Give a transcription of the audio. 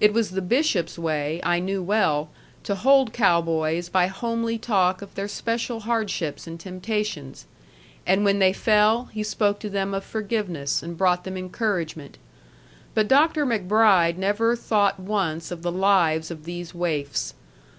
It was the bishop's way, I knew well, to hold cow boys by homely talk of their special hardships and temptations. And when they fell he spoke to them of forgiveness and brought them encouragement. But Dr. MacBride never thought once of the lives of these waifs.